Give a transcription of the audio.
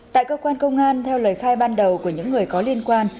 tại cơ quan công an theo lời khai ban đầu của những người có liên quan